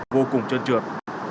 vô cùng trơn trượt